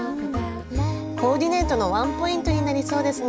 コーディネートのワンポイントになりそうですね。